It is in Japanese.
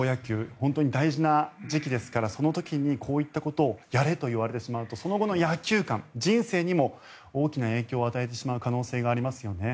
本当に大事な時期ですからその時にこういったことをやれと言われてしまうとその後の野球観、人生にも大きな影響を与えてしまう可能性がありますよね。